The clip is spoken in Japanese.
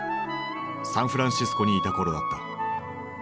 サンフランシスコにいた頃だった。